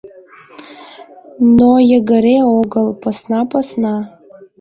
Но йыгыре огыл — посна-посна...